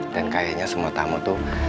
dan kayaknya semua tamu tuh